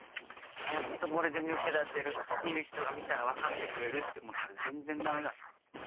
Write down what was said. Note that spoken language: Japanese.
やっとこれで抜け出せる見る人が見たら分かってくれるって思ったら全然ダメだった。